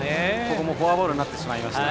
ここもフォアボールになってしまいました。